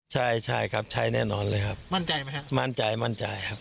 ใช่ใช่ครับใช่แน่นอนเลยครับมั่นใจไหมครับมั่นใจมั่นใจครับ